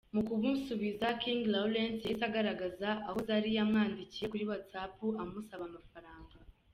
Mu kumusubiza, King Lawrence yahise agaragaza aho Zari yamwandikiye kuri Whatsapp amusaba amafaranga.